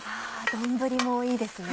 丼もいいですね。